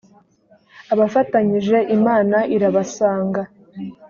abafatanyije imana irabasanga.